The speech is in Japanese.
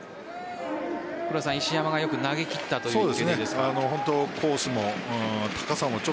石山がよく投げきったという。